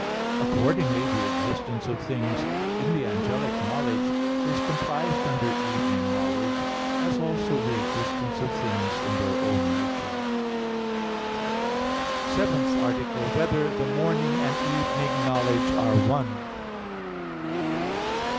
Accordingly the existence of things in the angelic knowledge is comprised under evening knowledge, as also the existence of things in their own nature. _______________________ SEVENTH ARTICLE [I, Q. 58, Art. 7] Whether the Morning and Evening Knowledge Are One?